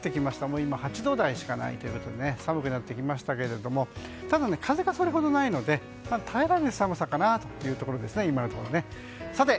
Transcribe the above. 今８度台しかないということで寒くなってきましたけれどもただ、風がそれほどないので耐えられる寒さかなというところですね。